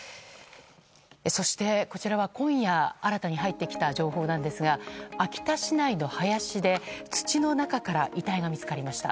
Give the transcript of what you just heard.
そして、こちらは今夜新たに入ってきた情報なんですが秋田市内の林で土の中から遺体が見つかりました。